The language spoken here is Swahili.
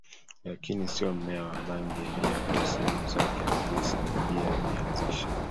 lakini sio mmea wa bangi yenyewe au sehemu zake Anvisa pia imeanzisha